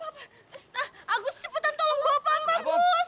aduh agus cepetan tolong bawa papa gus